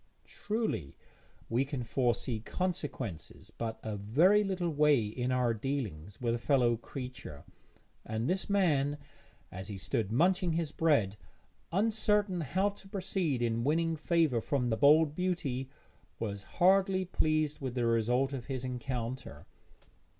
Truly we can foresee consequences but a very little way in our dealings with a fellow creature, and this man, as he stood munching his bread, uncertain how to proceed in winning favour from the bold beauty, was hardly pleased with the result of his encounter.